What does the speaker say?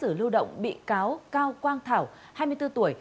đã đưa ra xét xử lưu động bị cáo cao quang thảo hai mươi bốn tuổi